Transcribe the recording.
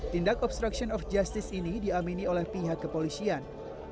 tindak obstruction of justice ini diamini oleh pihak kepolisian